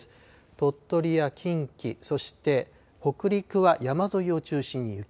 鳥取や近畿、そして北陸は山沿いを中心に雪。